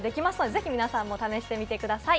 ぜひ皆さんも試してみてください。